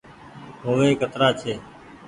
هوئي ڪترآ ڇي۔